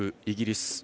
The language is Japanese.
イギリス。